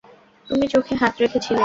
তুমি চোখে হাত রেখেছিলে?